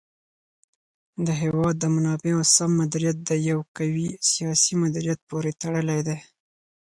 د هېواد د منابعو سم مدیریت د یو قوي سیاسي مدیریت پورې تړلی دی.